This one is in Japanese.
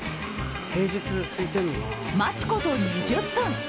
待つこと２０分。